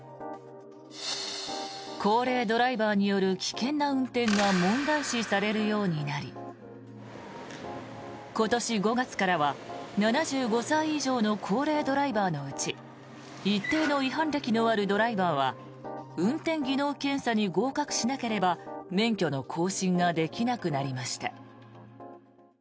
高齢ドライバーによる危険な運転が問題視されるようになり今年５月からは７５歳以上の高齢ドライバーのうち一定の違反歴のあるドライバーは運転技能検査に合格しなければ免許の更新ができなくなりました。